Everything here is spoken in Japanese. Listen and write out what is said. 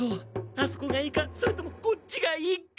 あそこがいいかそれともこっちがいいか。